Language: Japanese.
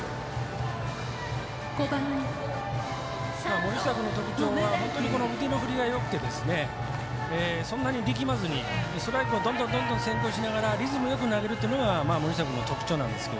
森下君の特徴は本当に腕の振りがよくてそんなに力まずにストライクをどんどん先行しながらリズムよく投げるというのが森下君の途中なんですが。